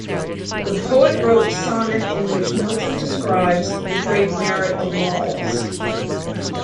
The poet wrote sonnet in which Milton describes the great merit of Lawes.